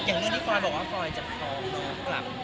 อย่างเรื่องที่กรอยบอกว่ากรอยจากทรมานกลับ